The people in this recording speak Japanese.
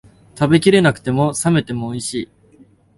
食べきれなくても、冷めてもおいしい